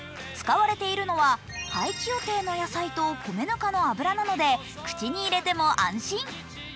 使われているのは廃棄予定の野菜と米ぬかの油なので口に入れても安心。